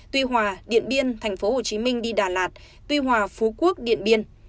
tuy hòa điện biên tp hcm đi đà lạt tuy hòa phú quốc điện biên